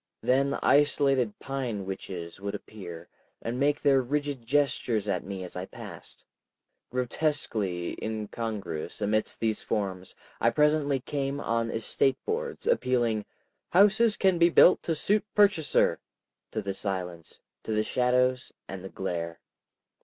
Then isolated pine witches would appear, and make their rigid gestures at me as I passed. Grotesquely incongruous amidst these forms, I presently came on estate boards, appealing, "Houses can be built to suit purchaser," to the silence, to the shadows, and the glare.